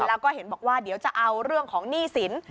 แล้วก็เห็นบอกว่าเดี๋ยวจะเอาเรื่องของหนี้สิน